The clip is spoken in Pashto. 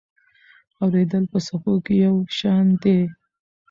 اورېدل په څپو کې یو شان دي.